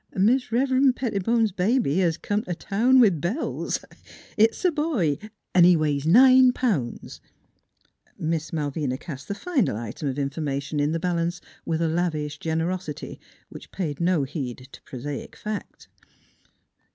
Mis' Rev'ren' Pettibone's baby hes come t' town with bells ! It's a boy, an' he weighs nine pounds !" Miss Malvina cast the final item of informa tion in the balance with a lavish generosity which paid no heed to prosaic fact.